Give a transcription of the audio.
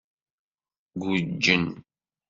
Guǧǧen.